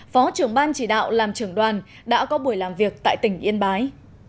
phó trưởng ban chỉ đạo làm trưởng đoàn đã có buổi làm việc tại tỉnh yên bái